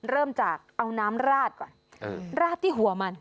เริ่มจากเอาน้ำราดก่อนราดที่หัวมัน